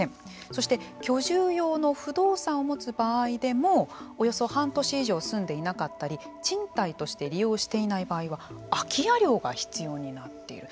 そして、居住用の不動産を持つ場合でもおよそ半年以上住んでいなかったり賃貸として利用していない場合は空き家料が必要になっている。